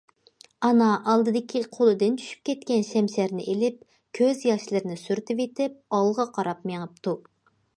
ئانا ئالدىدىكى قولىدىن چۈشۈپ كەتكەن شەمشەرنى ئېلىپ، كۆز ياشلىرىنى سۈرتۈۋېتىپ، ئالغا قاراپ مېڭىپتۇ.